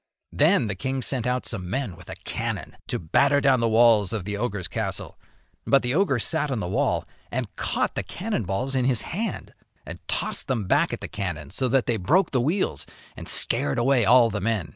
Then the king sent out some men with a cannon to batter down the walls of the ogre's castle. But the ogre sat on the wall and caught the cannon balls in his hand and tossed them back at the cannon, so that they broke the wheels and scared away all the men.